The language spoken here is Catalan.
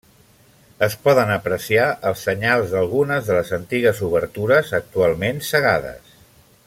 Es poden apreciar els senyals d'algunes de les antigues obertures, actualment cegades.